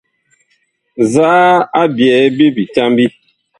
Nzaa a byɛ bi bitambi ?